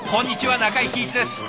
中井貴一です。